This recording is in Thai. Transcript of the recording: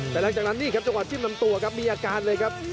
แต่หลังจากนั้นนี่ครับจังหวะจิ้มลำตัวครับมีอาการเลยครับ